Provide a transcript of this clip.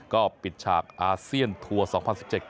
ก็ปิดฉากอาเซียนทัวร์๒๐๑๗